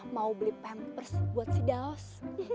mau beli pampers buat si daos